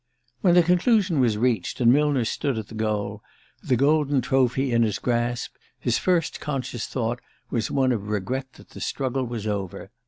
When the conclusion was reached, and Millner stood at the goal, the golden trophy in his grasp, his first conscious thought was one of regret that the struggle was over.